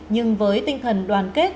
nhưng với tinh thần đoàn kết